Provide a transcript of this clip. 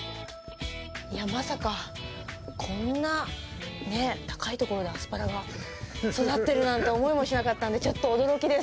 まさか、こんな高いところでアスパラが育ってるなんて思いもしなかったんでちょっと驚きです。